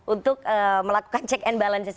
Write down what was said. untuk melakukan check and balances